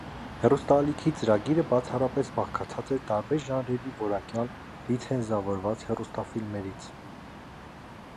Հեռուստաալիքի ծրագիրը բացառապես բաղկացած էր տարբեր ժանրերի որակյալ, լիցենզավորված հեռուստաֆիլմերից։